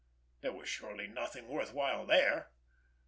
There was surely nothing worth while there!